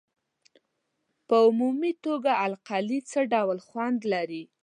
په عمومي توګه القلي څه ډول خوند لري؟